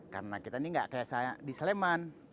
karena kita ini nggak kayak di sleman